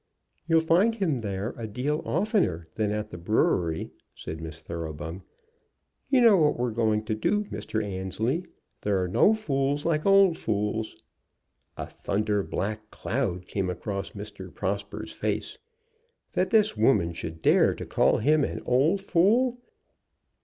"You'll find him there a deal oftener than at the brewery," said Miss Thoroughbung. "You know what we're going to do, Mr. Annesley. There are no fools like old fools." A thunder black cloud came across Mr. Prosper's face. That this woman should dare to call him an old fool!